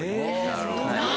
なるほど！